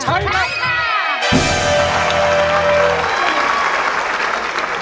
ใช้แล้วค่ะ